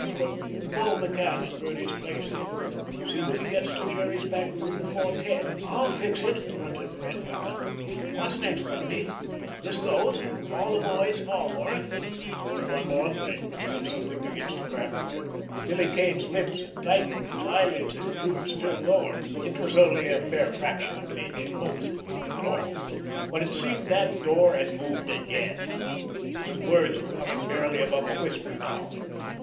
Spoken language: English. "Put Bull McCann in Birdie's place, then. See that he gets to Jerry's back room before ten." "I'll fix it!" grunted Red Vallon. "What's next, Bundy? This goes—all the boys'll fall for it." "There's only one thing more—until something begins to crack open." Billy Kane's lips had tightened, his eyelids had drooped still lower. It was only a bare fraction of an inch at most—if at all—but it seemed that door had moved again. His words were coming barely above a whisper now.